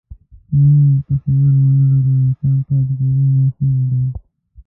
که موږ تخیل ونهلرو، انسان پاتې کېدل ناشوني دي.